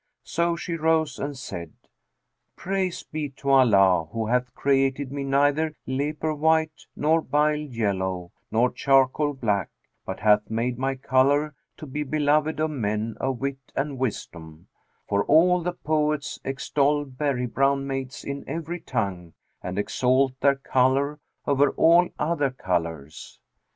So she rose and said: 'Praise be to Allah who hath created me neither leper white nor bile yellow nor charcoal black, but hath made my colour to be beloved of men of wit and wisdom, for all the poets extol berry brown maids in every tongue and exalt their colour over all other colours.